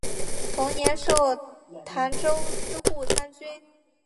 同年授澶州司户参军。